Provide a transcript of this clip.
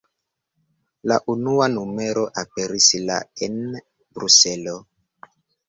La unua numero aperis la en Bruselo.